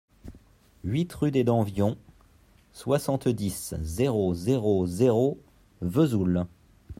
huit rue des Danvions, soixante-dix, zéro zéro zéro, Vesoul